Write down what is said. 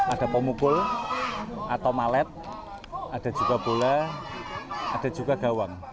ada pemukul atau malet ada juga bola ada juga gawang